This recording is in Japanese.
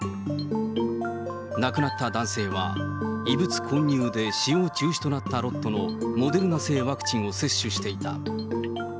亡くなった男性は、異物混入で使用中止となったロットのモデルナ製ワクチンを接種していた。